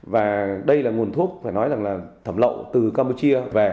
và đây là nguồn thuốc phải nói rằng là thẩm lậu từ campuchia về